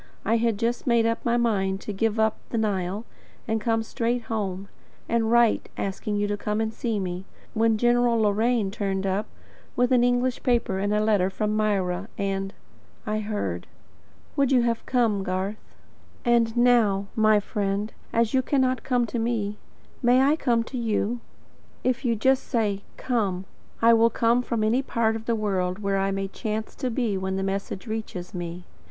I had just made up my mind to give up the Nile, and to come straight home, and write asking you to come and see me; when General Loraine turned up, with an English paper and a letter from Myra, and I heard. Would you have come, Garth? And now, my friend, as you cannot come to me, may I come to you? If you just say: "COME," I will come from any part of the world where I may chance to be when the message reaches me.